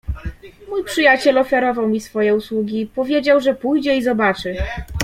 "Mój przyjaciel ofiarował mi swoje usługi, powiedział, że pójdzie i zobaczy."